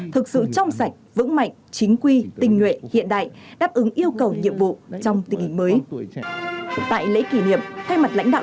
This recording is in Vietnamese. thực sự trong sạch vững mạnh chính quy tình nguyện hiện đại đáp ứng yêu cầu nhiệm vụ trong tình hình mới